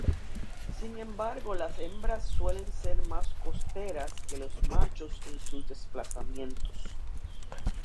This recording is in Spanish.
Sin embargo las hembras suelen ser más costeras que los machos en sus desplazamientos.